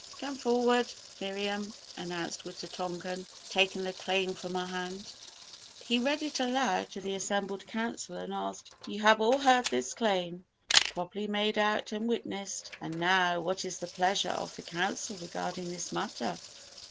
"Come forward, Miriam," announced Wita tonkan, taking the claim from her hand. He read it aloud to the assembled Council and asked, "You have all heard this claim, properly made out and witnessed, and now what is the pleasure of the Council regarding this matter?"